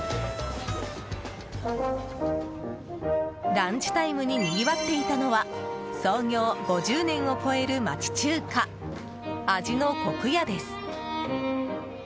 ランチタイムににぎわっていたのは創業５０年を超える町中華味の古久家です。